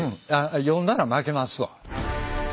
読んだら負けますわ。